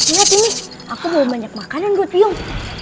ingat ini aku belum banyak makanan buat biong